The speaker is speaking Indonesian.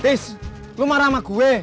tis lu marah sama gue